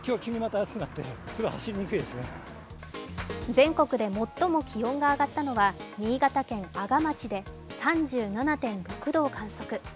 全国で最も気温が上がったのは新潟県阿賀町で３７．６度を観測。